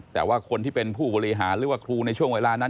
แต่ว่าคนที่เป็นผู้บริหารหรือว่าครูในช่วงเวลานั้น